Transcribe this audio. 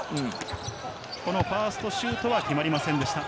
このファーストシュートは決まりませんでした。